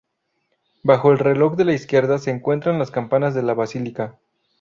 Bajo el reloj de la izquierda se encuentran las campanas de la basílica.